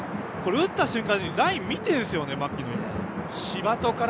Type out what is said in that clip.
打った瞬間ライン見ているんですよね槙野。